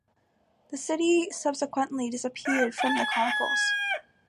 The city subsequently disappeared from the chronicles.